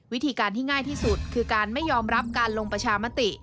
วิธีการที่ง่ายที่สุดคือการไม่ยอมรับการลงประชามติ